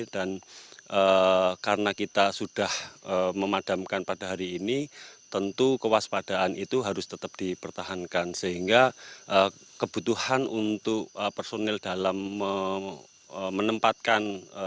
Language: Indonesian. dan karena kita sudah memadamkan pada hari ini tentu kewaspadaan itu harus tetap dipertahankan sehingga kebutuhan untuk personil dalam menempatkan